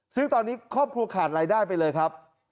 ซึ่งตอนนี้ครอบครัวขาดรายได้ไปเลยครับ